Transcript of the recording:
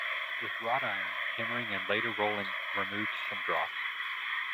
With wrought iron, hammering and later rolling removed some dross.